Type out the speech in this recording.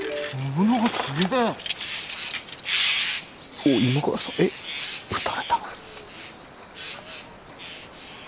おっ今川さんえっ討たれたの？